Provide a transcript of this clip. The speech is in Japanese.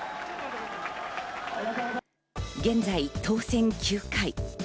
現在、当選９回。